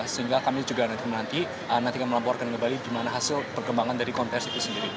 sehingga kami juga nanti menanti nanti akan melaporkan kembali gimana hasil perkembangan dari konversi itu sendiri